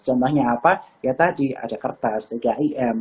contohnya apa ya tadi ada kertas tkim